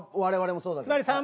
我々もそうだけど。